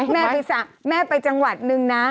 แม่ไปแม่ไปจังหวัดนึงนะ